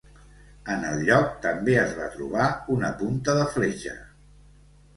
En el lloc també es va trobar una punta de fletxa.